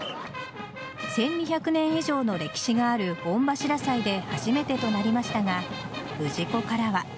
１２００年以上の歴史がある御柱祭で初めてとなりましたが氏子からは。